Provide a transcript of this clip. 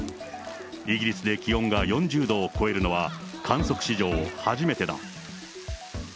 イギリスで気温が４０度を超えるのは、観測史上初めてだ。